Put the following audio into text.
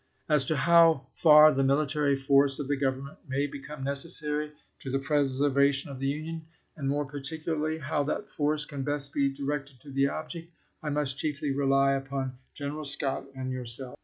As to how far the military force of the Government may become necessary to the preservation of the Union, and more particularly how that force can best be directed to the object, I must chiefly rely upon General Scott and yourself.